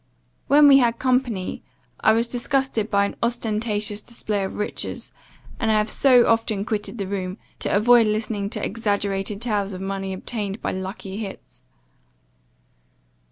When we had company, I was disgusted by an ostentatious display of riches, and I have often quitted the room, to avoid listening to exaggerated tales of money obtained by lucky hits.